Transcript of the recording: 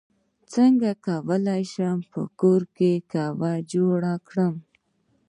څنګه کولی شم په کور کې قهوه جوړه کړم